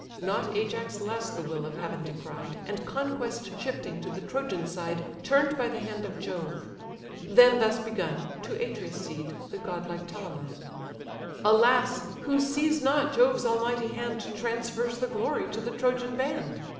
Not Ajax less the will of heaven descried, And conquest shifting to the Trojan side, Turn'd by the hand of Jove. Then thus begun, To Atreus's seed, the godlike Telamon: "Alas! who sees not Jove's almighty hand Transfers the glory to the Trojan band?